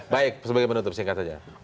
baik sebagai penutup singkat saja